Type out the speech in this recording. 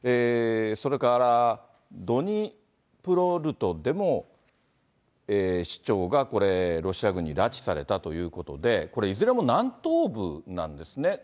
それからドニプロルドネでも、市長がロシア軍に拉致されたということで、これ、いずれも南東部なんですね。